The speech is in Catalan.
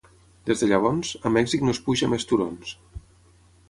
Des de llavors, a Mèxic no es puja més turons.